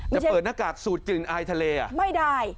จะเปิดหน้ากากสูดกลิ่นอายทะเลไม่ได้